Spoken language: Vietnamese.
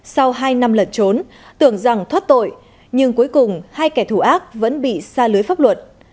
sau hai năm lẩn trốn tưởng rằng thoát tội nhưng cuối cùng hai kẻ thù ác vẫn bị xa lưới pháp luật